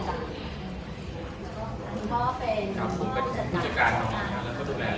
แล้วเขาดูแลเรื่องงาน